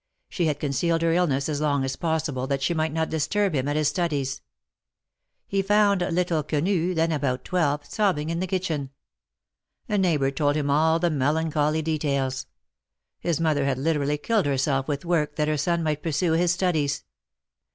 She had concealed her illness as long as possible, that she might not disturb him at his studies. He found little Quenu, then about twelve, sobbing in the kitchen. A neighbor told him all the, melancholy details. His mother had literally killed her self with work that her son might pursue his studies.